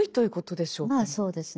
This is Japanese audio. まあそうですね。